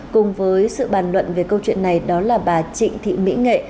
cùng với sự bàn luận về câu chuyện này đó là bà trịnh thị mỹ nghệ